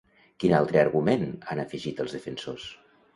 Quin altre argument han afegit els defensors?